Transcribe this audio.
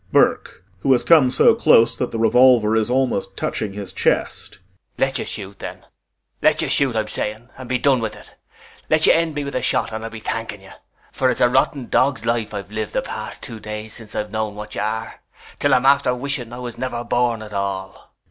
] ANNA [Wildly.] Look out, I tell you! BURKE [Who has come so close that the revolver is almost touching his chest.] Let you shoot, then! [Then with sudden wild grief.] Let you shoot, I'm saying, and be done with it! Let you end me with a shot and I'll be thanking you, for it's a rotten dog's life I've lived the past two days since I've known what you are, 'til I'm after wishing I was never born at all!